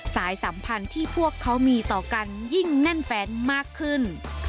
สายสัมพันธ์ที่พวกเขามีต่อกันยิ่งแน่นแฟนมากขึ้น